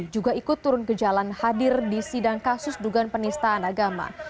juga ikut turun ke jalan hadir di sidang kasus dugaan penistaan agama